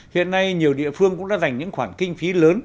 hiện nay nhiều địa phương cũng đã dành những khoản kinh phí lớn